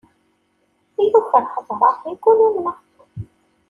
Yuker ḥedṛeɣ, yeggul umneɣ.